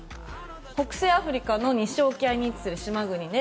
北西アフリカの西沖合に位置する島国で